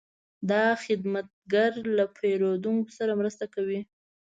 دا خدمتګر له پیرودونکو سره مرسته کوي.